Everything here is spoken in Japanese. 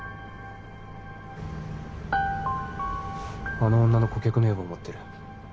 あの女の顧客名簿を持ってる